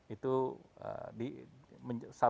itu satu parah